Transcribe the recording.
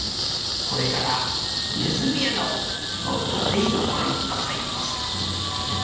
これから「ねずみ穴」をどうぞぜひご覧下さいませ。